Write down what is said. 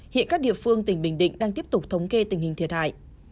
hiện các địa phương tỉnh bình định đang tiếp tục thống kê tình hình thiệt hại